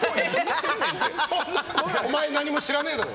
お前何も知らねえだろ。